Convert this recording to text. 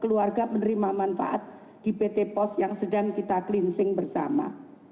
keluarga menerima manfaat di pt pos yang sedang kita cleansing bersama